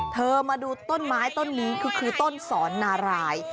มาดูต้นไม้ต้นนี้คือต้นสอนนาราย